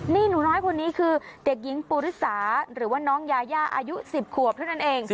นี่หนูน้อยคนนี้คือเด็กหญิงปูริสาหรือว่าน้องยายาอายุ๑๐ขวบเท่านั้นเอง